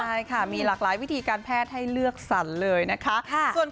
ใช่ค่ะมีหลากหลายวิธีการแพทย์ให้เลือกสรรเลยนะคะ